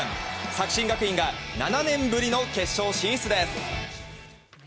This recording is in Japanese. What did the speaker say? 作新学院が７年ぶりの決勝進出です。